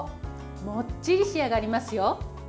もっちり仕上がりますよ。